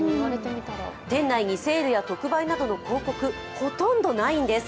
店内にセールや特売などの広告ほとんどないんです。